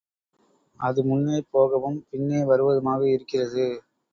அது முன்னே போகவும் பின்னே வருவதுமாகவே இருக்கிறது.